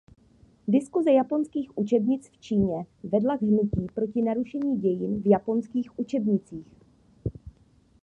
Diskuse japonských učebnic v Číně vedla k hnutí proti narušení dějin v japonských učebnicích.